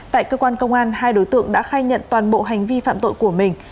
tại cơ quan công an hai đối tượng đã khai nhận toàn bộ hành vi phạm tội của mình